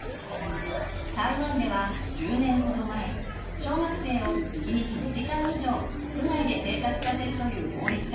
台湾では１０年ほど前小学生を１日２時間以上屋外で生活させるという法律ができました。